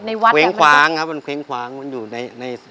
เว้งคว้างครับมันเว้งคว้างมันอยู่ใน